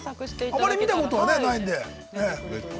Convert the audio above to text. ◆あんまり見たことはないので。